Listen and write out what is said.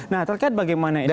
nah terkait bagaimana ini